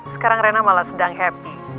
sekarang rena malah sedang happy